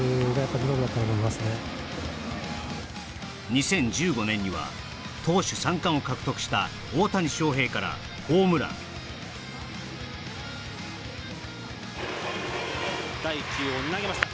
２０１５年には投手三冠を獲得した大谷翔平からホームラン第１球を投げました